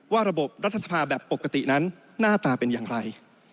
ระบบรัฐสภาแบบปกตินั้นหน้าตาเป็นอย่างไร